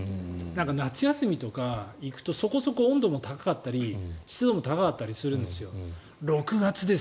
夏休みとかに行くとそこそこ温度も高かったり湿度も高かったりするんですよ。